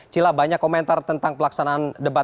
cila banyak komentar tentang pelaksanaan debat